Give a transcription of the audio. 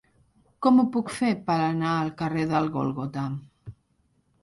Com ho puc fer per anar al carrer del Gòlgota?